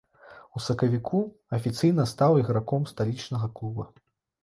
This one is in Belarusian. У сакавіку афіцыйна стаў іграком сталічнага клуба.